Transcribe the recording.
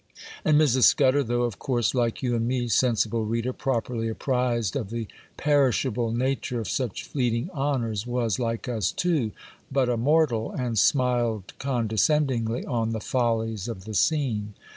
And Mrs. Scudder, though, of course, like you and me, sensible reader, properly apprised of the perishable nature of such fleeting honours, was, like us, too, but a mortal, and smiled condescendingly on the follies of the scene.